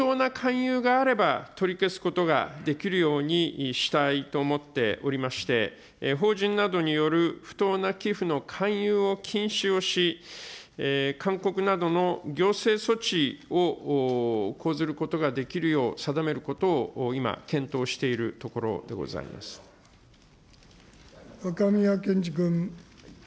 この消費者契約法で捉えられない寄付につきましては、不当な勧誘があれば取り消すことができるようにしたいと思っておりまして、法人などによる不当な寄付の勧誘を禁止をし、勧告などの行政措置を講ずることができるよう定めることを今、検討しているところで若宮健嗣君。